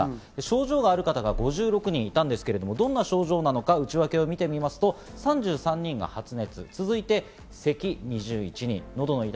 症状がある方が５６人いたんですが、どんな症状なのか内訳を見てみると３３人が発熱。